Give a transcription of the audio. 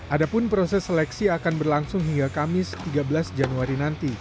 adapun proses seleksi akan berlangsung hingga kamis tiga belas januari nanti